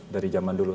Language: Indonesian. dari zaman dulu